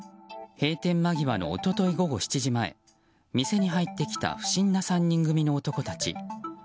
閉店間際の一昨日午後７時前店に入ってきた不審な３人組の男たち。